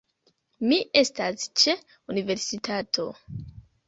Mi estas ĉe universitato